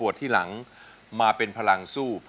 ดีขึ้นอยู่ค่ะ